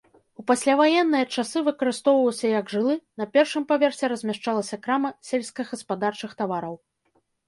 У пасляваенныя часы выкарыстоўваўся як жылы, на першым паверсе размяшчалася крама сельскагаспадарчых тавараў.